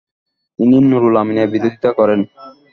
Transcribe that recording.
তিনি নুরুল আমিনের বিরোধিতা করেন।